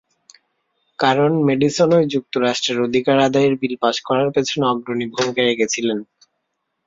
কারণ, মেডিসনই যুক্তরাষ্ট্রে অধিকার আদায়ের বিল পাস করার পেছনে অগ্রণী ভূমিকা রেখেছিলেন।